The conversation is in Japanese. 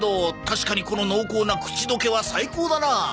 確かにこの濃厚な口どけは最高だなあ。